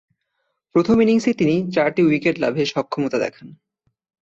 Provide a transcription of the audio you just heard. প্রথম ইনিংসেই তিনি চারটি উইকেট লাভে সক্ষমতা দেখান।